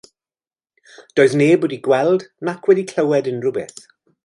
Doedd neb wedi gweld nac wedi clywed unrhyw beth.